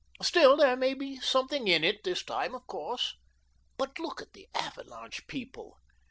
Still there may be something in it this time, of course. But look at the 'Avalanche' people.